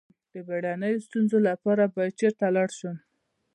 د بیړنیو ستونزو لپاره باید چیرته لاړ شم؟